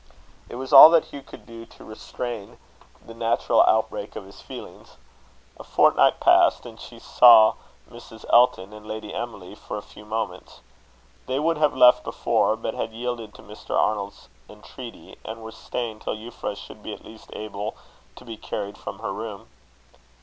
It was all that Hugh could do to restrain the natural outbreak of his feelings. A fortnight passed, and she saw Mrs. Elton and Lady Emily for a few moments. They would have left before, but had yielded to Mr. Arnold's entreaty, and were staying till Euphra should be at least able to be carried from her room.